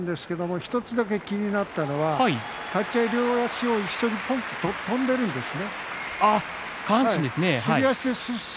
１つだけ気になったのは立ち合いでまわしを一緒にぽんと跳んでいるんですね。